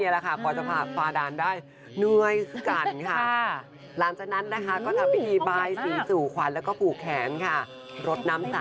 รสน้ำสั่งนี่ดูดิคุณผู้ชมบรรยากาศมันชื่นมืดมากนะคะ